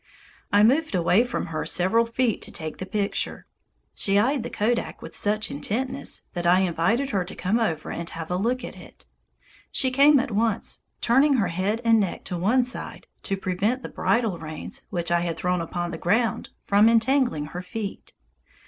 I moved away from her several feet to take the picture. She eyed the kodak with such intentness that I invited her to come over and have a look at it. She came at once, turning her head and neck to one side to prevent the bridle reins, which I had thrown upon the ground, from entangling her feet.